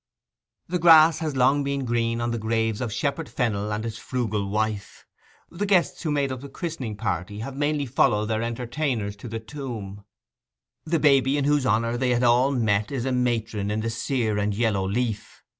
The grass has long been green on the graves of Shepherd Fennel and his frugal wife; the guests who made up the christening party have mainly followed their entertainers to the tomb; the baby in whose honour they all had met is a matron in the sere and yellow leaf.